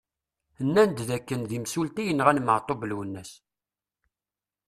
Nnan-d d akken d imsulta i yenɣan Maɛtub Lwennas.